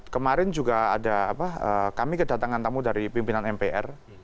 kemarin juga ada kami kedatangan tamu dari pimpinan mpr